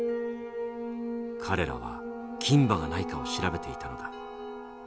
彼らは金歯がないかを調べていたのだ。